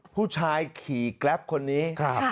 ผู้ชายขี่แกรปคนนี้